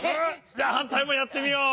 じゃはんたいもやってみよう。